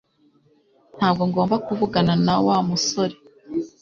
Ntabwo ngomba kuvugana na Wa musore